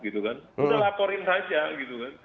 sudah laporin saja